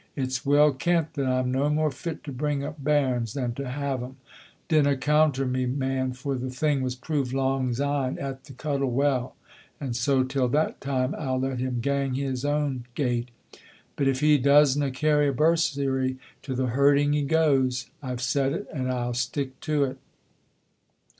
It's well kent that I'm no more fit to bring up bairns than to have them (dinna conter me, man, for the thing was proved lang syne at the Cuttle Well), and so till that time I'll let him gang his ain gait. But if he doesna carry a bursary, to the herding he goes. I've said it and I'll stick to it."